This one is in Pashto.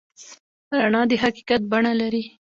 رڼا د حقیقت بڼه لري.